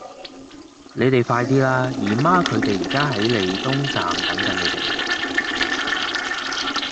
你哋快啲啦!姨媽佢哋而家喺利東站等緊你哋